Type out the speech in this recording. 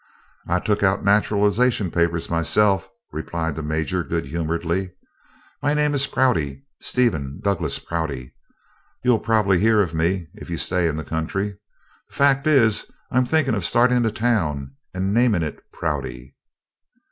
"I took out naturalization papers myself," replied the Major good humoredly. "My name is Prouty Stephen Douglas Prouty. You'll prob'ly hear of me if you stay in the country. The fact is, I'm thinkin' of startin' a town and namin' it Prouty."